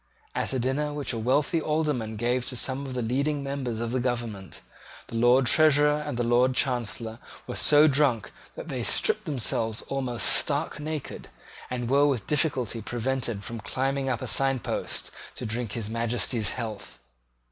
At a dinner which a wealthy Alderman gave to some of the leading members of the government, the Lord Treasurer and the Lord Chancellor were so drunk that they stripped themselves almost stark naked, and were with difficulty prevented from climbing up a signpost to drink His Majesty's health.